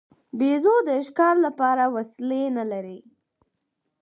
بیزو د ښکار لپاره وسلې نه لري.